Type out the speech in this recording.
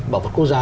bảo vật quốc gia